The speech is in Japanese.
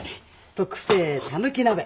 特製たぬき鍋。